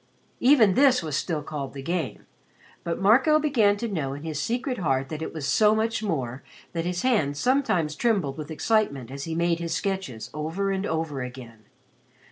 Even this was still called "the game," but Marco began to know in his secret heart that it was so much more, that his hand sometimes trembled with excitement as he made his sketches over and over again.